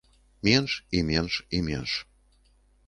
Менш, і менш, і менш.